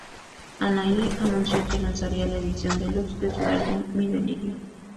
Anahí anunció que lanzaría la edición deluxe de su álbum "Mi delirio".